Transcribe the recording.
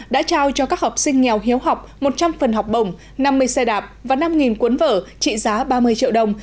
đã trao cho các học sinh nghèo hiếu học một trăm linh phần học bổng năm mươi xe đạp và năm cuốn vở trị giá ba mươi triệu đồng